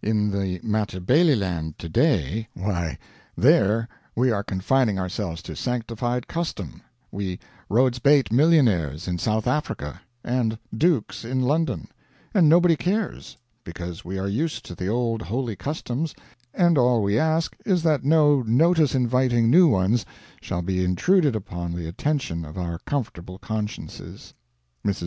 In the Matabeleland today why, there we are confining ourselves to sanctified custom, we Rhodes Beit millionaires in South Africa and Dukes in London; and nobody cares, because we are used to the old holy customs, and all we ask is that no notice inviting new ones shall be intruded upon the attention of our comfortable consciences. Mrs.